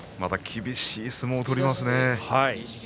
厳しい相撲を取りますね。